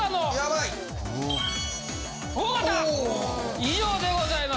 以上でございます。